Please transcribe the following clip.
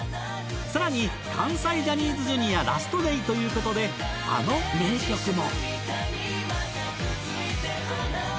さらに関西ジャニーズ Ｊｒ． ラストデイということであの名曲も！！